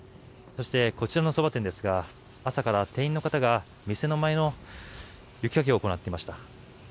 そしてこちらのそば店ですが朝から店員の方が店の周りの雪かきを行っていました。